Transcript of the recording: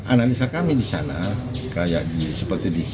analisa kami di sana seperti di sini